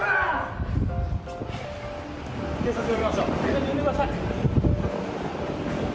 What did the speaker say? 警察呼んでください。